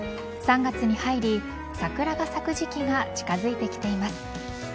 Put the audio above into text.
３月に入り桜が咲く時期が近づいてきています。